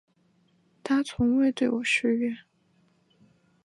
他从未对我失约